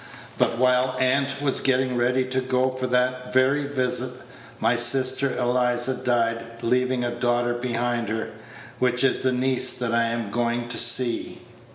But while aunt was getting ready to go for that very visit, my sister Eliza died, leaving a daughter behind her, which is the niece that I'm going to see.